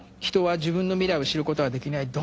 「人は自分の未来を知ることはできない。